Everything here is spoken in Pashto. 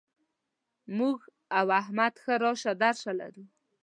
موږ او احمد ښه راشه درشه لرو.